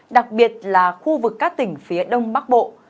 đặc biệt là khu vực các tỉnh phía đông bắc bộ